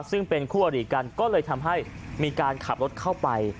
ซึ่งเป็นคู่อดีตกันก็เลยทำให้มีการขับรถเข้าไป